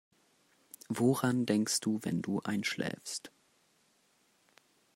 Woran denkst du, wenn du einschläfst?